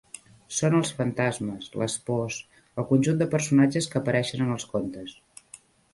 Són els fantasmes, les pors, el conjunt de personatges que apareixen en els contes.